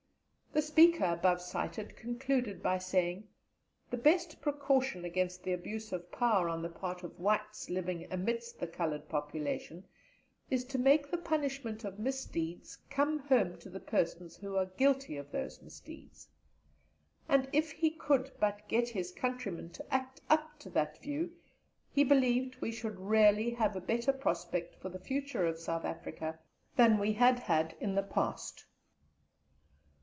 The speaker above cited concluded by saying: "The best precaution against the abuse of power on the part of whites living amidst a coloured population is to make the punishment of misdeeds come home to the persons who are guilty of those misdeeds; and if he could but get his countrymen to act up to that view he believed we should really have a better prospect for the future of South Africa than we had had in the past."